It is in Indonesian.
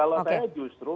kalau saya justru